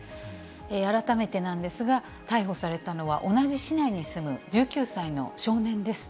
改めてなんですが、逮捕されたのは、同じ市内に住む１９歳の少年です。